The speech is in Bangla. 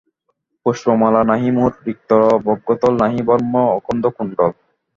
পুষ্পমাল্য নাহি মোর, রিক্ত বক্ষতল, নাহি বর্ম অঙ্গদ কুণ্ডল।